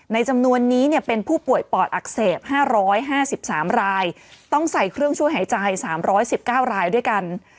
จำนวนนี้เป็นผู้ป่วยปอดอักเสบ๕๕๓รายต้องใส่เครื่องช่วยหายใจ๓๑๙รายด้วยกัน